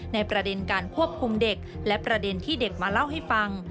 ในประเด็นการควบคุมเด็กและประเด็นที่เด็กมาเล่าให้ฟัง